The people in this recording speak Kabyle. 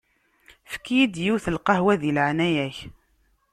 Efk-iyi-d yiwet n lqehwa di leɛnaya-k!